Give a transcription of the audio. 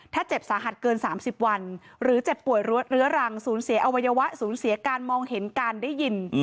ถ้าเจ็บสาหัสเกิน๓๐วันหรือเจ็บป่วยเรื้อรังศูนย์เสียอวัยวะสูญเสียการมองเห็นการได้ยิน